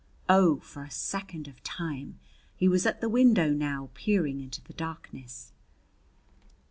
Oh, for a second of time! He was at the window now, peering into the darkness.